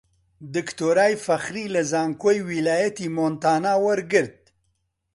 دکتۆرای فەخری لە زانکۆی ویلایەتی مۆنتانا وەرگرت